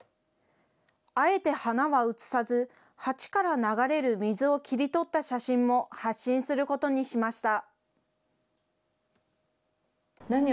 あえて花は写さず、鉢から流れる水を切り取った写真も発信することにしました。